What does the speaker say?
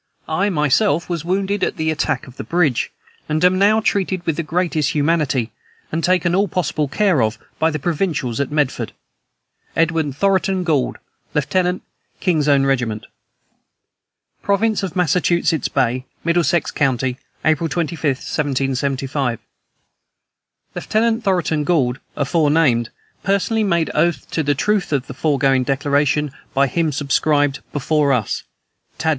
I myself was wounded at the attack of the bridge, and am now treated with the greatest humanity, and taken all possible care of by the provincials at Medford. "EDWARD THOROTON GOULD, "Lieut. King's Own Regiment." "PROVINCE OF MASSACHUSETTS BAY, "Middlesex County, April 25, 1775. "Lieutenant Thoroton Gould, aforenamed, personally made oath to the truth of the foregoing declaration by him subscribed, before us, "THAD.